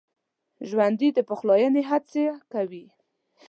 ژوندي د پخلاينې هڅه کوي